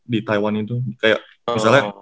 di taiwan itu kayak misalnya